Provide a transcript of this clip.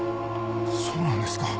そうなんですか！？